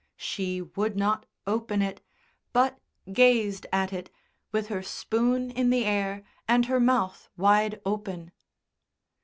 She would not open it, but gazed at it, with her spoon in the air and her mouth wide open.